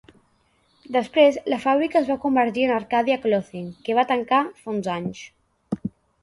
Després, la fàbrica es va convertir en Arcadia Clothing, que va tancar fa uns anys.